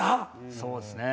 そうですね。